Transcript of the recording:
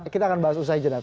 kita akan bahas usai jeda